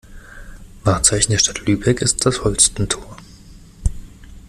Wahrzeichen der Stadt Lübeck ist das Holstentor.